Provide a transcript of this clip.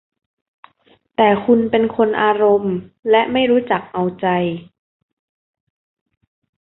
แต่คุณเป็นคนอารมณ์ และไม่รู้จักเอาใจ